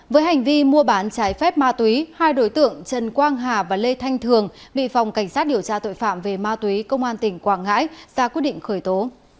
với hành vi mua bán trái phép ma túy hai đối tượng trần quang hà và lê thanh thường bị phòng cảnh sát điều tra tội phạm về ma túy công an tỉnh quảng ngãi ra quyết định khởi tố